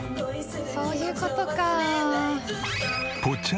「そういう事か」